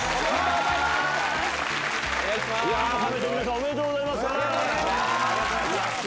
ありがとうございます。